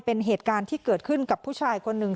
เป็นเหตุการณ์ที่เกิดขึ้นกับผู้ชายคนหนึ่ง